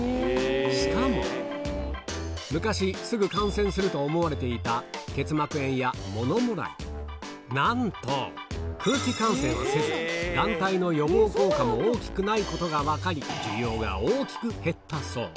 しかも、昔、すぐ感染すると思われていた結膜炎やものもらい、なんと、空気感染はせず、眼帯の予防効果も大きくないことが分かり、需要が大きく減ったそう。